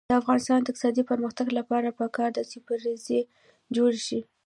د افغانستان د اقتصادي پرمختګ لپاره پکار ده چې پرزې جوړې شي.